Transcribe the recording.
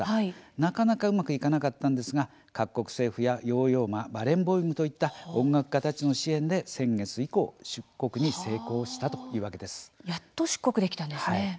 なかなかうまくいかなかったんですが各国政府やヨーヨーマ、バレン・ボエムといった音楽家たちの支援で先月出国に成功したやっと出国できたんですね。